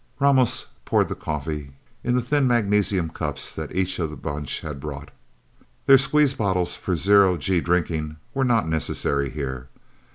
Ramos poured the coffee in the thin magnesium cups that each of the Bunch had brought. Their squeeze bottles, for zero G drinking, were not necessary, here.